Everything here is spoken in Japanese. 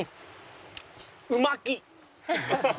う巻き！